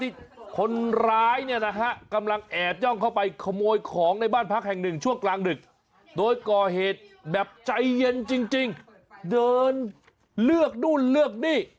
ใจเย็นจริงเดินเลือกนู่นเลือกนี่